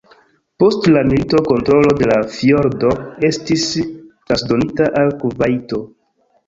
Post la milito kontrolo de la fjordo estis transdonita al Kuvajto.